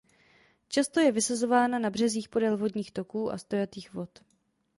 Často je vysazována na březích podél vodních toků a stojatých vod.